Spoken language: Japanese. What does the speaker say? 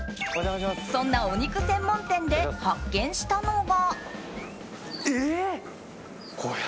そんなお肉専門店で発見したのが。